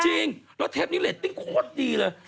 จริงแล้วเทปนี้เรตติ้งโคตรดีเลย